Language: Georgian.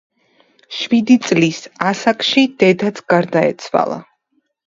შვიდი წლის ასაკში დედაც გარდაეცვალა.